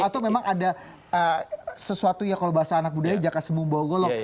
itu memang ada sesuatu ya kalau bahasa anak budaya jaka sembuh bau golok